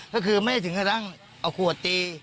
ก็คือไม่ได้ถึงกระทั่งเอาขวดตี